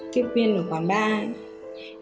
tiếp viên của quán ba ấy